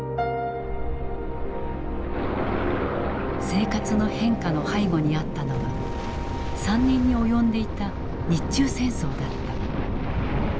生活の変化の背後にあったのは３年に及んでいた日中戦争だった。